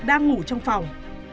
đang ngủ trong phòng